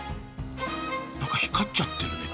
何か光っちゃってるね。